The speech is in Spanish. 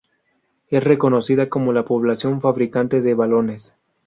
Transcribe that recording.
Es reconocida como la población fabricante de balones.